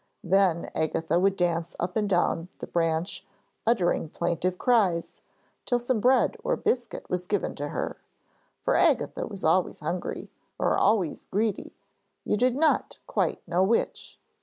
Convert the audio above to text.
Then Agatha would dance up and down the branch uttering plaintive cries, till some bread or biscuit was given to her. For Agatha was always hungry, or always greedy; you did not quite know which.